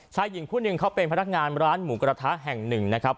หญิงคู่หนึ่งเขาเป็นพนักงานร้านหมูกระทะแห่งหนึ่งนะครับ